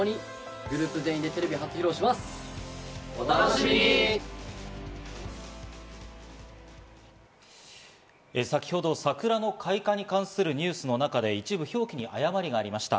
週間予先ほど桜の開花に関するニュースの中で一部表記に誤りがありました。